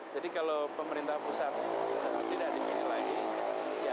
jadi kalau pemerintahan pusat tidak di sini lagi